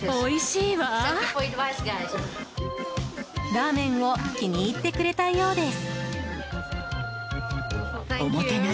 ラーメンを気に入ってくれたようです。